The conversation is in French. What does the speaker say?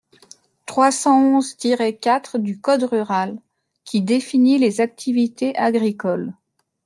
trois cent onze-quatre du code rural, qui définit les activités agricoles.